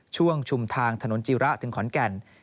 ชุมทางถนนจิระถึงขอนแก่น